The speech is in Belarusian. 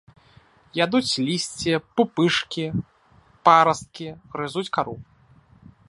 Ядуць лісце, пупышкі, парасткі, грызуць кару.